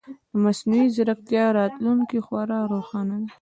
د مصنوعي ځیرکتیا راتلونکې خورا روښانه ده.